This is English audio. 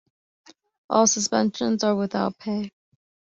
All suspensions are without pay.